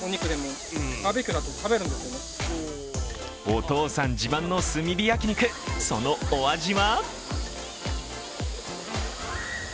お父さん自慢の炭火焼き肉、そのお味は？